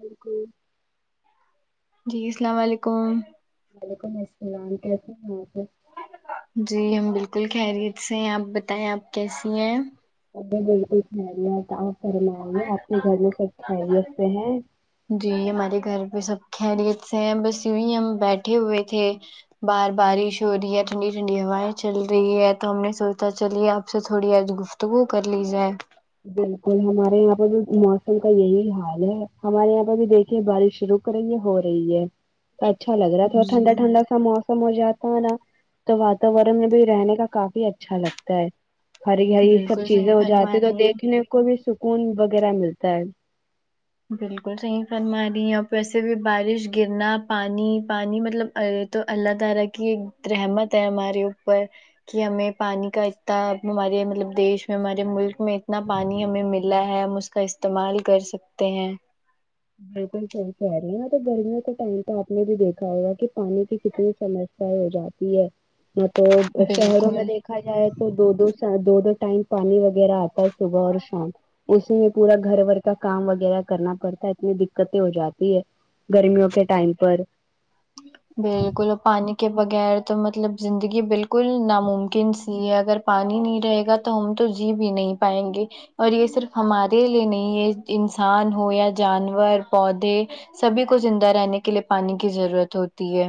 بالکل جی السلام علیکم وعلیکم السلام کیسی ہو اپ سب جی ہم بالکل خیریت سے ہیں آپ بتائیں آپ کیسی ہیں میں بالکل خیریت آپ فرمائیے آپ کے گھر میں سب خیریت سے ہیں جی ہمارے گھر پہ سب خیریت سے ہیں بس یوں ہی ہم بیٹھے ہوئے تھے بہر بارش ہو رہی ہے ٹھنڈی ٹھنڈی ہوائیں چل رہی ہے تو ہم نے سوچا چلیے آپ سے تھوڑی آ گفت تا گو کر لی جیئے بالکل ہمارے یہاں پہ بھی موسم کا یہی حال ہے ہمارے یہاں پہ بھی دیکھے بارش شروع کیا کرے گے ہو رہی ہے تو اچھا لگ رہا ہے تھوڑا ٹھنڈا جی ٹھنڈا سا موسم کم ہو جاتا ہے نا تو واتورن میں بھی رہنے کا کافی اچھا لگتا ہے ہری ہری یہ سب بالکل چیزیں صحیح ہو فرما جاتی ہیں تو رہی دیکھنے کو بھی سکون وغیرہ ملتا ہے بالکل صحیح فرما رہی ہے اور ویسے بھی بارش گرنا پانی پانی مطلب ا تو اللہ تعالی کی ایک رحمت ہے ہمارے اوپر کہ ہمیں پانی کا اتنا ہمارے مطلب دیش میں ہمارے ملک میں اتنا پانی ہمیں ملا ہے ہم اس کا استعمال کر سکتے ہیں بالکل صحیح کہہ رہی ہیں نا تو گرمیوں کے ٹائم تو آپ نے بھی دیکھا ہوگا کہ پانی کی کتنی سمس ہو جاتی ہے نہ تو شہروں میں بالکل دیکھ رکھا جائے تو دو دو دو دو ٹائم پانی وغیرہ آتا ہے صبح اور شام اس میں پورا گھر بور کا کام وغیرہ کرنا پڑتا ہے ا دقتیں ہو جاتی ہے گرمیوں کے ٹائم پر بالکل اور پانی کے بغیر تو مطلب زندگی بالکل ناممکن سی ہے اگر پانی نہیں رہے گا تو ہم تو جی بھی نہیں پائیں گے اور یہ صرف ہمارے لیے نہیں ہے انسان ہو یا جانور پودے سبھی کو زندہ رہنے کے لیے پانی کی ضرورت ہوتی ہے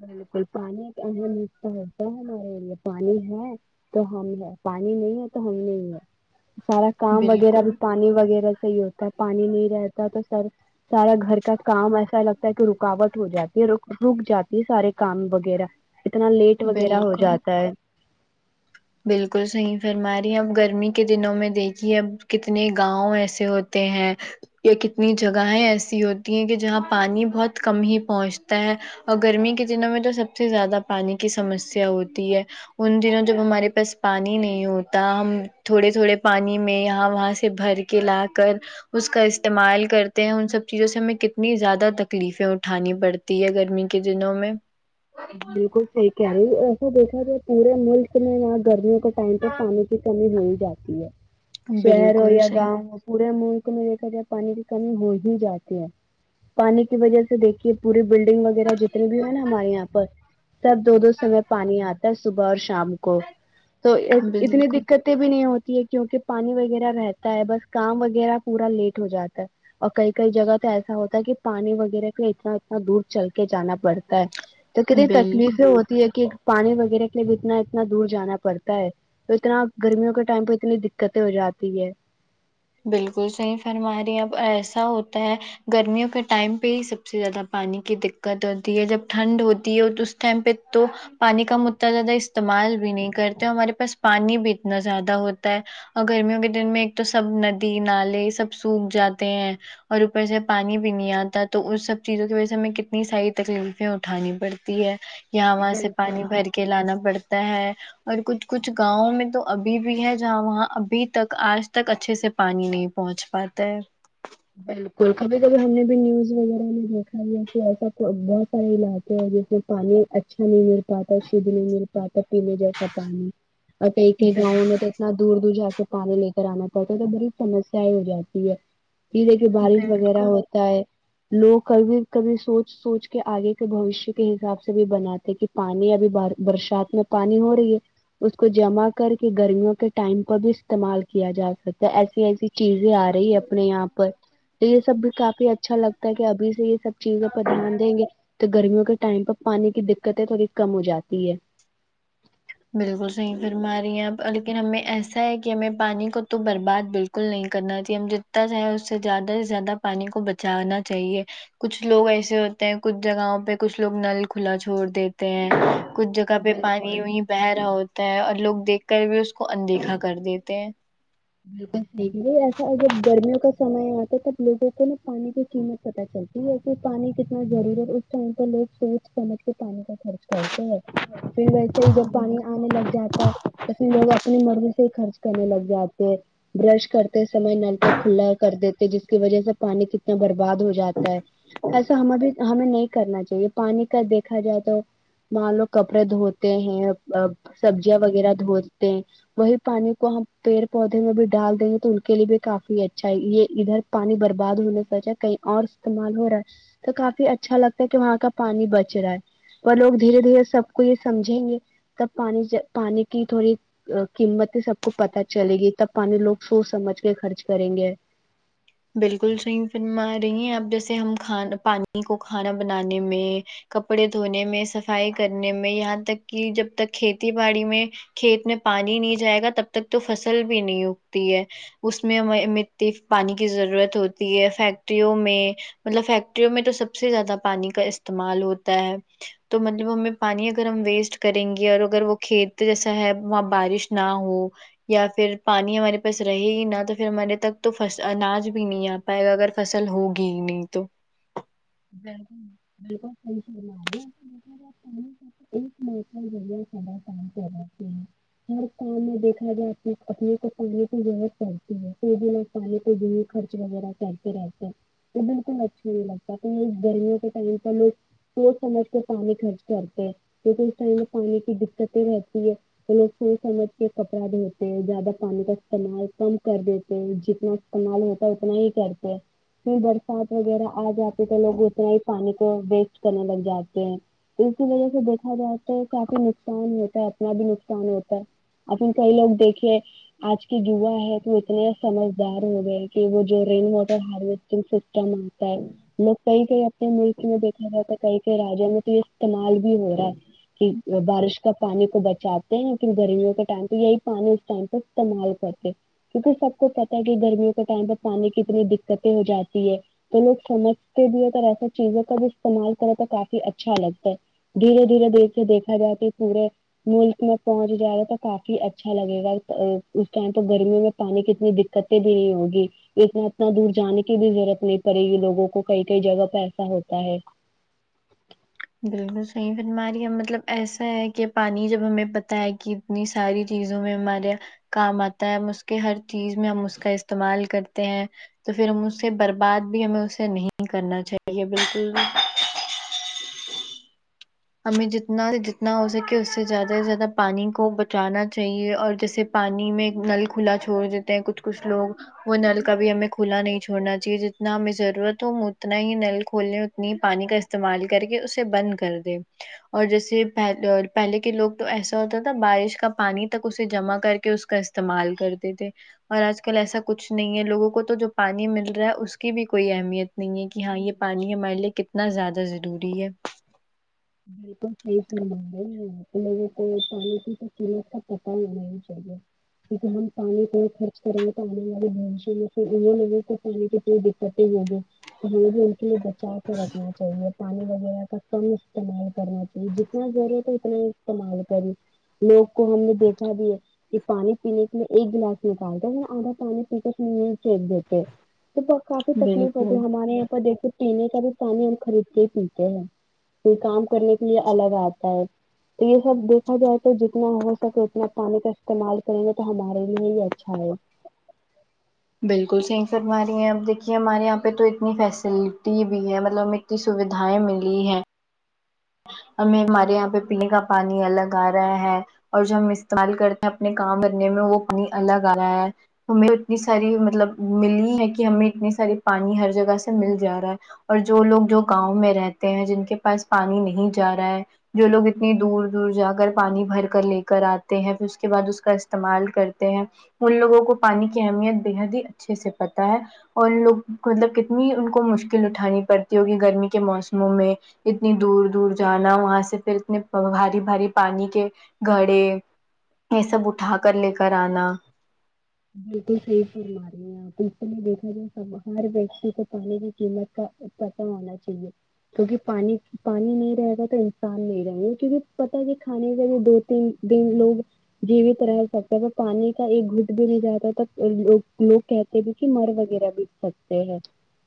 بالکل پانی ایک اہم رصہ ہوتا ہے ہمارے لیے پانی ہے تو ہم ہے پانی نہیں ہے تو ہم نہیں ہے سارا کام وغیرہ بھی بالکل پانی وغیرہ سے ہی ہوتا ہے پانی نہیں رہتا تو سر سارا گھر کا کام ایسا لگتا ہے کہ رکاوٹ ہو جاتی ہے ر رک جاتی یہ سارے کام وغیرہ اتنا لیٹ وغیرہ ہو بالکل جاتا ہے بالکل صحیح فرما رہی اب گرمی کے دنوں میں دیکھی اب کتنے گاؤں ایسے ہوتے تے ہیں یہ کتنی جگہیں ایسی ہوتی ہیں کہ جہاں پانی بہت کم ہی پہنچتا ہے اور گرمی کے دنوں میں تو سب سے زیادہ پانی کی سمسیا ہوتی ہے ان دنوں جب ہمارے بس پانی نہیں ہوتا ہم تھوڑے تھوڑے پانی میں یہاں وہاں سے بھر کے لا کر اس کا استعمال کرتے ہیں ان سب چیزوں سے ہمیں کتنی زیادہ تکلیفیں اٹھانی پڑ تی ہے گرمی کے دنوں میں بالکل صحیح کہہ رہی ایسا دیکھا جو پورے ملک میں نہ گرمیوں ٹائم پہ پانی کی کمی ہو ہی جاتی ہے شہر ہو بالکل یا صحیح گاؤں ہو پورے ملک میں دیکھا ج پانی کی کمی ہو ہی جاتی ہے پانی کی وجہ سے دیکھیے پوری بلڈنگ وغیرہ جتنی بھی ہے نا ہمارے یہاں پر تب دو دو سمے پانی آتا ہے صبح اور شام کو تو اتنی بالکل دقت بھی نہیں ہوتی ہے کیونکہ پانی وغیرہ رہتا ہے بس کام وغیرہ پورا لیٹ ہو جاتا ہے اور کئی کئی جگہ تو ایسا ہوتا ہے کہ پانی وغیرہ پہ اتنا اتنا دور چل کے جانا پڑتا ہے تو کتنی بالکل تکلیفیں ہوتی ہے کہ پانی وغیرہ کے لیے بھی اتنا اتنا دور جانا پڑتا ہے تو اتنا گرمیوں کے ٹائم پہ اتنی دقتیں ہو جاتی ہے بالکل صحیح فر ہمارے یہاں ایسا ہوتا ہے گرمیوں کے ٹائم پہ ہی سب سے زیادہ پانی کی دقت ہوتی ہے جب ٹھنڈ ہوتی ہے تو اس ٹائم پے تو پانی کا ہم اتنا زیادہ استعمال بھی نہیں کرتے ہمارے پاس پانی بھی اتنا زیادہ ہوتا ہے اور گرمیوں کے دن میں ایک تو سب ندی نالے سب سوکھ جاتے ہیں اور اوپر سے پانی بھی نہیں آتا تو اس سب چیزوں کی وجہ سے ہمیں کتنی ساری تکلیفیں اٹھانی پڑ تی ہے یہاں وہاں سے پانی بالکل بھر کے لانا پڑتا ہے اور کچھ کچھ گاؤں میں تو ابھی بھی ہے جہاں وہاں ابھی تک آج تک اچھے سے پانی نہیں پہنچ پاتا ہے بالکل کبھی کبھی ہم نے بھی نیوز وغیرہ میں دیکھا ہے کہ ایسا تو بہت سارے علاقے ہیں جیسے پانی اچھا نہیں مل پاتا شدھ نہیں مل پاتا پینے جیسا پانی اور کئی کئی گاؤں میں تو اتنا دور دور جا کے پانی لے کر آنا پڑتا ہے تو بڑی سمسیا ئیں ہو جاتی ہے پھر ہے کہ بارش وغیرہ بالکل ہوتا ہے لوگ کبھی کبھی سوچ سوچ کے آگے کے بھوشیہ کے حساب سے بھی بناتے کہ پانی ابھی برشات میں پانی ہو رہی ہے اس کو جمع کر کے گرمیوں کے ٹائم کا بھی استعمال کیا جا سکتا ہے ایسی ایسی چیزیں آ رہی ہے اپنے یہاں پر تو یہ سب بھی کافی اچھا لگتا ہے کہ ابھی سے یہ سب چیزوں پر دھیان دیں گے تو گرمیوں کے ٹائم پر پانی کی دقتیں تھوڑی کم ہو جاتی ہے بالکل صحیح فرما رہی ہے آپ لیکن ہمیں ایسا ہے کہ ہمیں پانی کو تو برباد بالکل بالکل نہیں کرنا چاہیے ہم جتا چاہیں اس سے زیادہ سے زیادہ پانی کو بچانا چاہیے کچھ لوگ ایسے ہوتے ہیں کچھ جگہوں پہ کچھ لوگ نل کھلا چھوڑ دیتے ہیں کچھ جگہ پہ پانی وہیں بہہ رہا ہوتا ہے اور لوگ دیکھ کر بھی اس کو اندیکھا کر دیتے ہیں بالکل صحیح ایسا اگر گرمیوں کا سمے آتا ہے تب لوگوں تو نہ پانی کی قیمت پتا چلتی ویسے پانی کتنا ضروری اس ٹائم پہ لوگ سوچ سمج کے پانی کا خرچ کرتے ہیں پھر ویسے ہی جب پانی آنے لگ جا ٹا اپنی جگہ اپنی مرضی سے خرچ کرنے لگ جا تے برش کرتے سمے نل کو کھلا کر دیتے جس کی وجہ سے پانی کی برباد ہو جاتا ہے ایسا ہمارے ہمیں نہیں کرنا چاہیے پانی کا دیکھا جائے تو مان لو کپڑے دھوتے ہیں سبزیاں وغیرہ دھوتے وہی پانی کو ہم پیڑ پودے میں بھی ڈال دیں گے تو ان کے لیے بھی کافی اچھا ہے یہ ادھر پانی برباد ہونے سے اچھا کہیں اور استعمال ہو رہا ہے تو کافی اچھا لگتا ہے کہ وہاں کا پانی بچ رہا ہے اور لوگ دھیرے دھیرے سب کو یہ سمجھیں گے تب پانی ج پانی کی تھوڑی قیمت سبکو پتہ چلے گی تب پانی لوگ سوچ سمجھ کے خرچ کریں گے بالکل صحیح فرما رہی ہیں آپ جیسے ہم کھانا پانی کو کھانا بنانے میں کپڑے دھونے میں صفائی کرنے میں یہاں تک کہ جب تک کھیتی باڑی میں کھیت میں پانی نہیں جائے گا تب تک تو فصل بھی نہیں اگتی ہے اس میں مے مٹی پانی کی ضرورت ہوتی ہے فیکٹریوں میں مطلب فیکٹریوں میں تو سب سے زیادہ پانی کا استعمال ہوتا ہے تو مطلب ہمیں پانی اگر ہم ویسٹ کریں گے اور اگر وہ کھیت جیسا ہے وہاں بارش نہ ہو یا پھر پانی ہمارے پاس رہے ہی نہ تو پھر ہمارے تک تو فص اناج بھی نہیں آ پائے گا اگر فصل ہوگی ہی نہیں تو بالکل بالکل صحیح فرمایا جی آپ نے ایک منٹ میں بیا سدا کام کر رہ [unintelligible] ہر کام میں دیکھا جائے تو [unintelligible] اپنے اپنے کو پانی کی ضرورت پڑتی ہے پانی کے بنا خرچ وغیرہ کرتے رہتے ہے تو بالکل اچھے نہیں لگتا گرمیوں کے ٹائم پر لوگ سوچ سمجھ کے پانی خرچ کرتے ہیں جب اس ٹائم پانی کی دکتیں رہتی ہے تو لوگ سوچ سمجھ کے کپڑا دھوتے ہیں زیادہ پانی کا استعمال کم کر دیتے ہیں جتنا استعمال ہوتا ہے اتنا ہی کرتے پھر برسات وغیرہ آ جات تو لوگ اتنا ہی پانی کو ویسٹ کرنے لگ جاتے ہیں اسی وجہ سے دیکھا جائے تو کافی نقصان ہوتا ہے اپنا بھی نقصان ہوتا ہے اپن کئی لوگ دیکھے آج کے یوا ہے تو اتنے سمجدار ہو گئے کہ وہ جو رین واٹر ہاروسٹنگ سے کام آتا ہے [unintelligible] لوگ کئی کئی اپنے ملک میں دیکھا جائے تو کئی کئی راجوں میں تو یہ استعمال بھی ہو رہا ہے کے بارش کا پانی کو بچاتے ہیں گرمیوں کے ٹائم پہ یہی پانی اس ٹائم پہ استعمال کرتے کیونکہ سب کو پتا ہے کہ گرمیوں کے ٹائم پہ پانی کی اتنی دقتیں ہو جاتی ہے تو لوگ سمجھ کے بھی ایسا چیزوں کا بھی استعمال کریں تو کافی اچھا لگتا ہے دھیرے دھیرے دیکھ سے دیکھا جاتی پورے ملک میں پہنچ جائے گا تو کافی اچھا لگے گا اس ٹائم تو گرمیوں میں پانی کی اتنی دقتیں بھی نہیں ہوگی لیکن اتنا دور جانے کی بھی ضرورت نہیں پڑے گی لوگوں کو کئی کئی جگہ پہ ایسا ہوتا ہے بالکل صحیح فرما رہی ہیں مطلب ایسا ہے کہ پانی جب ہمیں پتا ہے کہ اتنی ساری چیزوں میں ہمارے کام آتا ہے اس کے ہر چیز میں ہم اس کا استعمال کرتے ہیں تو پھر ہم اس سے برباد بھی ہمیں اسے نہیں کرنا چاہیے بالکل بھی ہمیں جتنا جتنا ہو سکے اس سے زیادہ سے زیادہ پانی کو بچانا چاہیے اور جیسے پانی میں نل کھلا چھوڑ دیتے ہیں کچھ کچھ لوگ وہ نل کبھی ہمیں کھلا نہیں چھوڑنا چاہیے جتنا ہمیں ضرورت ہو ہم اتنا ہی نل کھولنے اپنی پانی کا استعمال کر کے اسے بند کر دے اور جیسے پل پہلے کے لوگ تو ایسا ہوتا تھا بارش کا پانی تک اسے جمع کر کے اس کا اس استعمال کرتے تھے اور آج کل ایسا کچھ نہیں ہے لوگوں کو تو جو پانی مل رہا ہے اس کی بھی کوئی اہمیت نہیں ہے کہ ہاں یہ پانی ہمارے لیے کتنا زیادہ ضروری ہے بالکل صحیح فرما رہی لوگوں کو پانی کی اہمیت تو کا پتا ہونا ہی چاہیے [unintelligible] ہم پانی کو خرچ کرے تو آنے والے جنریشن بھی پھر وہ لوگ تو پانی کرتی ہوگی تو یہ بھی ان کے لیے بچا کر رکھنا چاہیے پانی وغیرہ کا کم استعمال کرنا چاہیے جتنا ضرورت ہے اتنا ہی استعمال کریں لوگ کو ہم نے دیکھا بھی ہے یہ پانی پینے کے لیے ایک گلاس نکالتے ہیں آدھا پانی پی کے اس میں نل پھینک دیتے ہیں تو کافی تکلیف ہوتی بالکل ہے ہمارے یہاں پر دیکھیے پینے کا بھی پانی ہم خریدکے ہی پیتے ہیں کوئی کام کرنے کے لیے الگ آتا ہے تو یہ سب دیکھا جائے تو جتنا ہو سکے اتنا پانی کا استعمال کریں گے تو ہمارے لیے ہی اچھا ہے بالکل صحیح فرما رہی ہیں اب دیکھیے ہمارے یہاں پہ تو اتنی فیسلٹی بھی ہے مطلب اتنی سویدھائیں ملی ہیں ہمیں ہمارے یہاں پہ پینے کا پانی الگ آ رہا ہے اور جو ہم استعمال کرتے ہیں اپنے کام بننے میں وہ اپنی الگ آ رہا ہے ہمیں اتنی ساری مطلب ملی ہے کہ ہمیں اتنی ساری پانی ہر جگہ سے مل جا رہا ہے اور جو لوگ جو گاؤں میں رہتے ہیں جن کے پاس پانی نہیں جارہا ہے جو لوگ اتنی دور دور جا کر پانی بھر کر لے کر آتے ہیں پھر اس کے بعد اس کا استعمال کرتے ہیں ان لوگوں کو پانی کی اہمیت بےحد ہی اچھے سے پتا ہے ان لوگ مطلب کتنی ان کو مشکل اٹھانی پڑتی ہوگی گرمی کے موسموں میں اتنی دور دور جانا وہاں سے پھر اتنے بھاری بھاری پانی کے گھڑے یہ سب اٹھا کر لے کر آنا بالکل صحیح فرما رہی ہیں بالکل دیکھا جائے سب ہمارے پچوں کو پانی کی قیمت کا پتہ ہونا چاہیے کیونکہ پانی پانی نہیں رہے گا تو انسان نہیں رہیں گا کیونکہ پتا ہے کہ کھانے کا بھی دو تین دن لوگ جیوت رہ سکتے ہیں تو پانی کا ایک گھٹ بھی نہیں جاتا تک لوگ لوگ کہتے بھی کہ مر وغیرہ بھی سکتے ہیں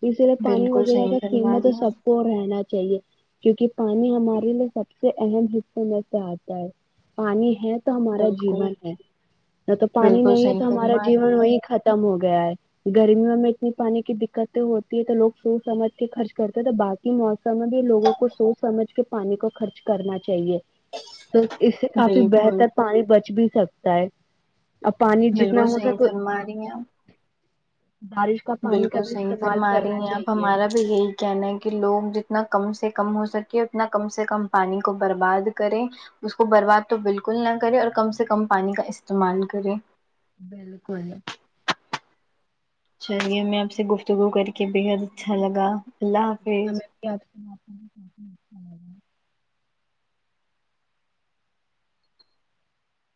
اسے پانی بالکل وغیرہ صحیح کا فرما قیمت رہی سب ہیں کو رہنا چاہیے کیونکہ پانی ہمارے لیے سب اہم حصے میں سے آتا ہے پانی ہے تو ہمارا بالکل جیون ہے نہ تو پانی بالکل نہیں ہے صحیح تو ہمارا فرما رہی جیون ہیں وہی ختم ہو گیا ہے گرمیوں میں اتنی پانی کی دقتیں ہوتی ہے تو لوگ سوچ سمجھ کے خرچ کرتے ہیں تو بعد کہ موسم بھی لوگوں کو سوچ سمجھ کے پانی کو خرچ کرنا چاہیے [unintelligible] تو اس سے کافی بالکل بہتر پانی بچ بھی سکتا ہے پانی جتنا ہو سکتا بمارے یہاں بارش کا پانی کا بالکل بھی صحیح استعمال فرما کرنا رہی ہیں آپ چاہیے ہمارا بھی یہی کہنا ہے کہ لوگ جتنا کم سے کم ہو سکے اتنا کم سے کم پانی کو برباد کریں اس کو برباد تو بالکل نہ کرے اور کم سے کم پانی کا استعمال کرے بالکل چلیے میں آپ سے گفتگو کر کے بےحد اچھا لگا اللہ حافظ کیا آپ کو [unintelligible]